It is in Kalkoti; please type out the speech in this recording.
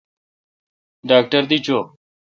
ڈاکٹر دی چو۔